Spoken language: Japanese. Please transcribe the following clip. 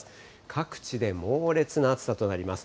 各地で猛烈な暑さとなります。